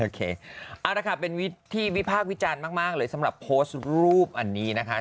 เอาละค่ะเป็นที่วิพากษ์วิจารณ์มากเลยสำหรับโพสต์รูปอันนี้นะคะ